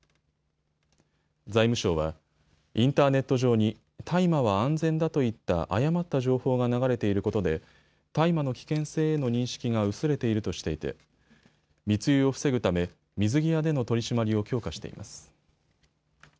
財務省はインターネット上に大麻は安全だといった誤った情報が流れていることで大麻の危険性への認識が薄れているとしていて密輸を防ぐため水際での取締りを強化しています。